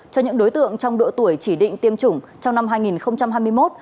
cho những đối tượng trong độ tuổi chỉ định tiêm chủng trong năm hai nghìn hai mươi một